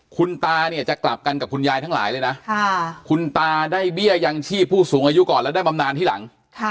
คุณตาเนี่ยจะกลับกันกับคุณยายทั้งหลายเลยนะคุณตาได้เบี้ยยังชีพผู้สูงอายุก่อนแล้วได้บำนานที่หลัง